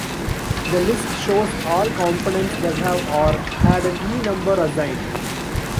The list shows all components that have or had an E-number assigned.